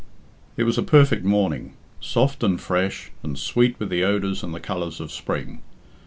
It was a perfect morning, soft and fresh, and sweet with the odours and the colours of spring.